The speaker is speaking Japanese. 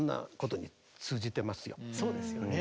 そうですよね。